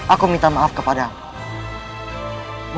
aku minta maaf kepadamu